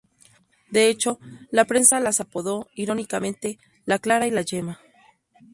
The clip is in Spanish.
De hecho, la prensa las apodó irónicamente "La Clara y la Yema".